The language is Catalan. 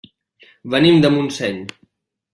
Venim de Montseny.